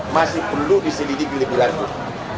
masih perlu diselidiki lebih lanjut